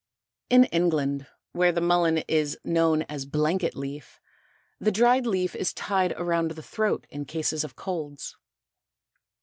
In England, where the Mullen is known as Blanket Leaf, the dried leaf is tied around the throat in cases of colds.